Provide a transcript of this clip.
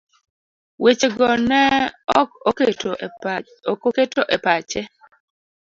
Weche go ne ok oketo e pache